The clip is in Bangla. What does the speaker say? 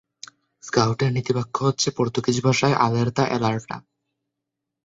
স্কাউটের নীতিবাক্য হচ্ছে পর্তুগিজ ভাষায় "আলেরতা", "অ্যালার্টা"।